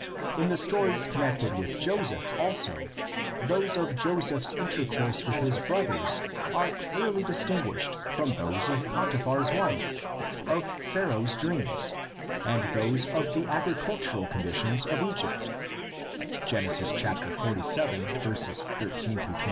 In the stories con nected with Joseph, also, those of Joseph's inter course with his brothers are clearly distinguished from those of Potiphar's wife, of Pharaoh's dreams, and those of the agricultural conditions of Egypt (Gen. xlvii. 13 26).